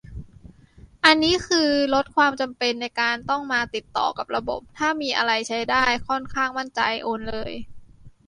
อันนี้คือลดความจำเป็นในการต้องมาติดต่อกับระบบ ถ้ามีอะไรใช้ได้ ค่อนข้างมั่นใจ โอนเลย